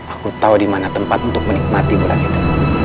aku tahu di mana tempat untuk menikmati bulan itu